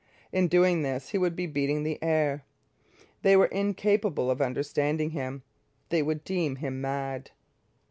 In doing this he would be beating the air. They were incapable of understanding him. They would deem him mad.